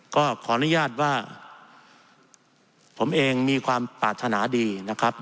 ก็ขออนุญาตว่าผมเองมีความปรารถนาดีนะครับ